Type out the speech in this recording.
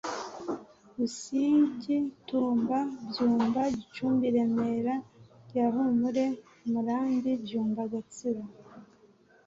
Busigi Tumba Byumba Gicumbi Remera rya Humure Murambi Byumba Gatsibo